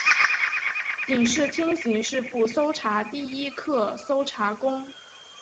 警视厅刑事部搜查第一课搜查官。